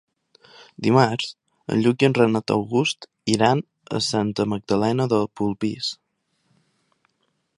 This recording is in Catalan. Dimarts en Lluc i en Renat August iran a Santa Magdalena de Polpís.